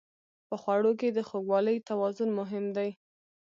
په خوړو کې د خوږوالي توازن مهم دی.